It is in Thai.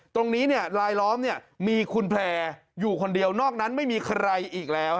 ตรงนี้เนี้ยลายล้อมเนี้ยมีคุณแผลอยู่คนเดียวนอกนั้นไม่มีใครอีกแล้วฮะ